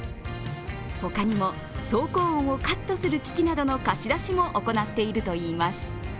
他にも、走行音をカットする機器などの貸し出しも行っているといいます。